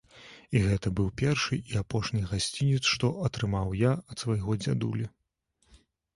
І гэта быў першы і апошні гасцінец, што атрымаў я ад свайго дзядулі.